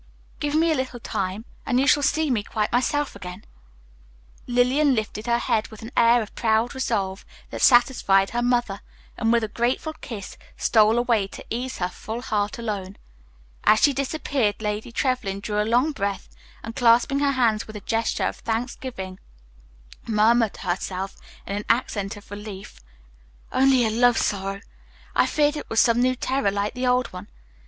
Give me a little time, and you shall see me quite myself again." Lillian lifted her head with an air of proud resolve that satisfied her mother, and with a grateful kiss stole away to ease her full heart alone. As she disappeared Lady Trevlyn drew a long breath and, clasping her hands with a gesture of thanksgiving, murmured to herself in an accent of relief, "Only a love sorrow! I feared it was some new terror like the old one.